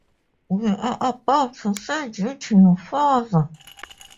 We are about to send you to your father.